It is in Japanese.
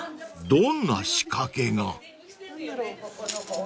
［どんな仕掛けが？］